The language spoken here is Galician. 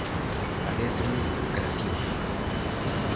Paréceme gracioso!